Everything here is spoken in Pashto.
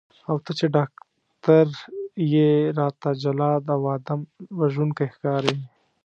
او ته چې ډاکټر یې راته جلاد او آدم وژونکی ښکارې.